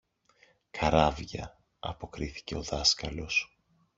Καράβια, αποκρίθηκε ο δάσκαλος.